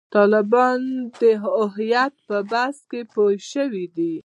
طالبان د هویت پر بحث کې پوه شوي دي.